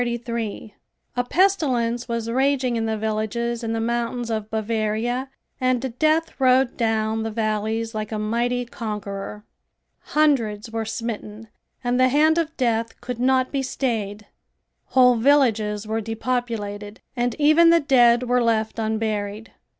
A pestilence was raging in the villages in the mountains of Bavaria and death rode down the valleys like a mighty conqueror. Hundreds were smitten and the hand of death could not be stayed. Whole villages were depopulated and even the dead were left unburied.